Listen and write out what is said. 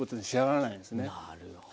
なるほど。